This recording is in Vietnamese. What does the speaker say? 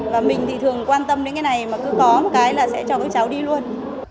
và mình thì thường quan tâm đến cái này mà cứ có một cái là sẽ cho các cháu đi luôn